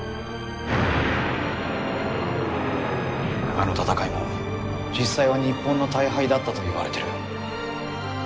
あの戦いも実際は日本の大敗だったといわれてる。